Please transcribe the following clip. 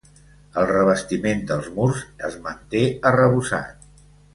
El revestiment dels murs es manté arrebossat.